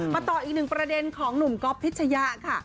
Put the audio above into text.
ต่ออีกหนึ่งประเด็นของหนุ่มก๊อฟพิชยะค่ะ